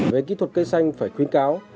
về kỹ thuật cây xanh phải khuyến cáo